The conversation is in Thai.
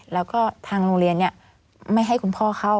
แล้วก็ทางโรงเรียนไม่ให้คุณพ่อเข้า